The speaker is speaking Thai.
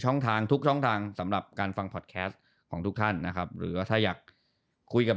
ทางทุกช่องทางสำหรับการฟังพอดแคสต์ของทุกท่านนะครับหรือว่าถ้าอยากคุยกับ